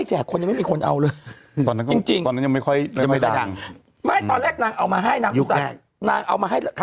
ฉันไม่เอาอะไรมาเลยว่ะ